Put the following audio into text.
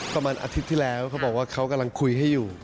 ประมาณอาทิตย์ที่แล้วเขาบอกว่าเขากำลังคุยให้อยู่